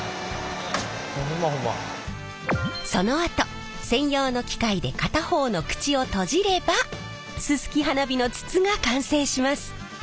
そのあと専用の機械で片方の口を閉じればすすき花火の筒が完成します。